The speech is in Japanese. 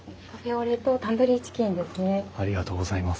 ありがとうございます。